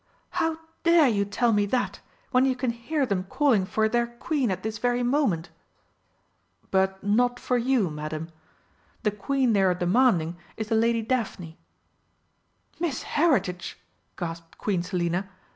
"How dare you tell me that, when you can hear them calling for 'their Queen' at this very moment!" "But not for you, Madam. The Queen they are demanding is the Lady Daphne." "Miss Heritage!" gasped Queen Selina.